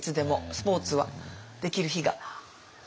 スポーツはできる日が。